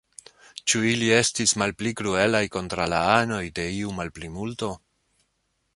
Ĉu ili estis malpli kruelaj kontraŭ la anoj de iu malplimulto?